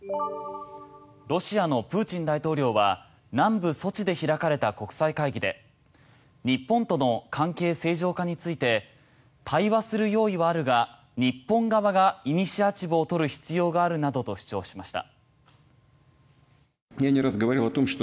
ロシアのプーチン大統領は南部ソチで開かれた国際会議で日本との関係正常化について対話する用意はあるが日本側がイニシアチブを取る必要があるなどと主張しました。